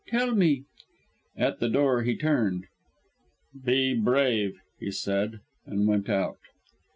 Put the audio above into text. Tell me " At the door, he turned. "Be brave," he said and went out.